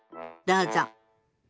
どうぞ。